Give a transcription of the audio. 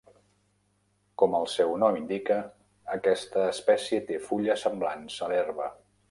Com el seu nom indica, aquesta espècie té fulles semblants a l'herba.